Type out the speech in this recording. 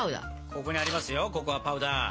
ここにありますよココアパウダー。